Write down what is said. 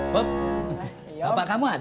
bob bapak kamu ada